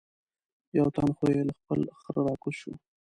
یو تن خو یې له خپل خره را کوز شو.